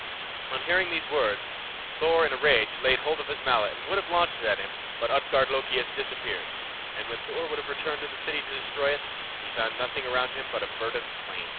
On hearing these words Thor in a rage laid hold of his mallet and would have launched it at him, but Utgard Loki had disappeared, and when Thor would have returned to the city to destroy it, he found nothing around him but a verdant plain.